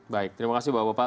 baik terima kasih bapak bapak